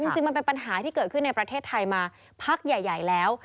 จริงมันเป็นปัญหาที่เกิดขึ้นในประเทศไทยมาพักใหญ่แล้ว